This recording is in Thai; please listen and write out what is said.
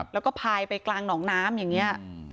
แล้วก็พายไปกลางหนองน้ำอย่างนี้